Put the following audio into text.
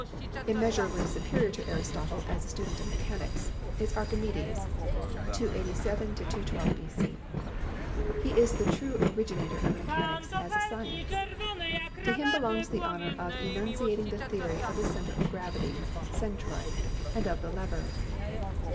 Immeasurably superior to Aristotle as a student of Fig. 2 — Archimedes and the Lever. mechanics is Archimedes (287 212 B.C.). He is the true originator of mechanics as a science. To him belongs the honor of enunciating the theory of the center of gravity (centroid) and of the lever.